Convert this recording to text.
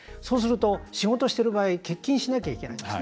そうすると、仕事している場合欠勤しなきゃいけない。